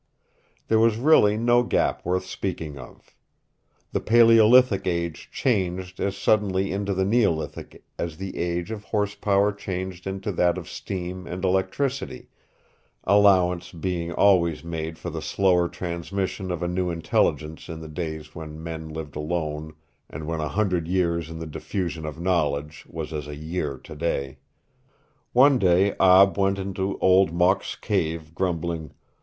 There was really no gap worth speaking of. The Paleolithic age changed as suddenly into the Neolithic as the age of horse power changed into that of steam and electricity, allowance being always made for the slower transmission of a new intelligence in the days when men lived alone and when a hundred years in the diffusion of knowledge was as a year to day. One day Ab went into Old Mok's cave grumbling.